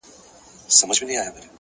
هوډ د وېرې زنځیرونه کمزوري کوي,